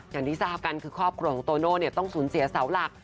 อย่างที่ทราบกันคือครอบครัวของโตโน่ต้องสูญเสียเสาหลัก